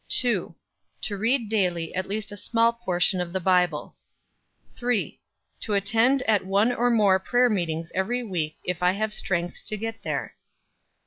2. To read daily at least a small portion of the Bible. 3. To attend at one or more prayer meetings every week, if I have strength to get there.